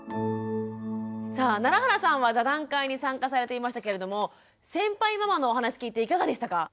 さあ楢原さんは座談会に参加されていましたけれども先輩ママのお話聞いていかがでしたか？